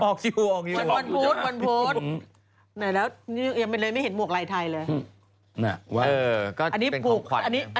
ออกห่วงอยู่กวนปู๊ด